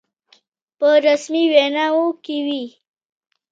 په رسمي ویناوو کې وي.